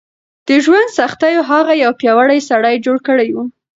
د ژوند سختیو هغه یو پیاوړی سړی جوړ کړی و.